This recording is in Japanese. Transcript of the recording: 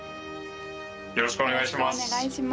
よろしくお願いします。